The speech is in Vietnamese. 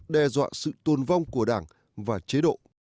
đe dọa sự tôn vong của đảng và chế độ